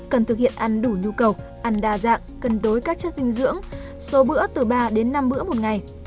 cần thực hiện ăn đủ nhu cầu ăn đa dạng cân đối các chất dinh dưỡng số bữa từ ba đến năm bữa một ngày